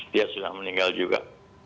dia sudah meninggal juga